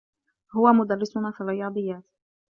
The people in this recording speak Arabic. هو مدرّسنا في الرّياضيّات.